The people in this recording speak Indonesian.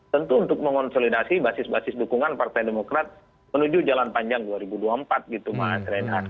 tentu untuk mengonsolidasi basis basis dukungan partai demokrat menuju jalan panjang dua ribu dua puluh empat gitu mas reinhardt